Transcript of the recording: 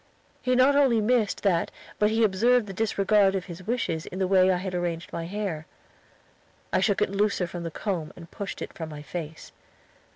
He not only missed that, but he observed the disregard of his wishes in the way I had arranged my hair. I shook it looser from the comb and pushed it from my face.